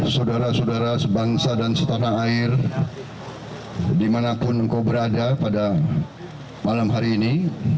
saudara saudara sebangsa dan setanah air dimanapun engkau berada pada malam hari ini